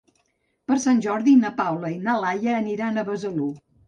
Per Sant Jordi na Paula i na Laia aniran a Besalú.